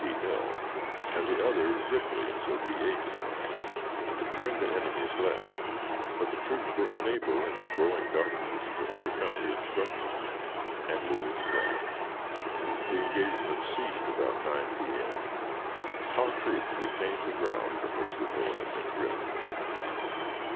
P. Hill and the other Ripley's of D. H. Hill, to turn the enemy's left, but the troops were unable in the growing darkness to overcome the obstructions, and were withdrawn. The engagement ceased about 9 P.M. Our troops retained the ground from which the foe had been driven.